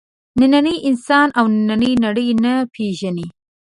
نننی انسان او نننۍ نړۍ نه پېژني.